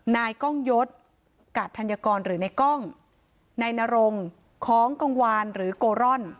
นายกล้องยศกาดธัญกรหรือในกล้องนายนรงค้องกังวานหรือโกร่อน